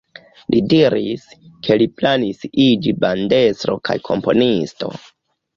Li diris, ke li planis iĝi bandestro kaj komponisto.